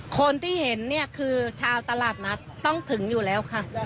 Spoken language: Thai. คนที่เห็นเนี่ยคือชาวตลาดนัดต้องถึงอยู่แล้วค่ะ